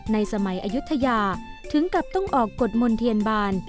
ในสมัยอายุทยาถึงกับต้องออกกฎมนต์เทียนบาน